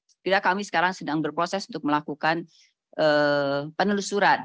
setelah kami sekarang sedang berproses untuk melakukan penelusuran